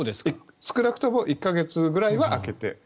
少なくとも１か月くらいは空けて。